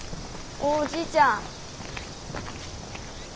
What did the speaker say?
おじいちゃん。